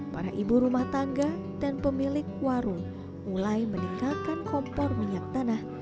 para ibu rumah tangga dan pemilik warung mulai meninggalkan kompor minyak tanah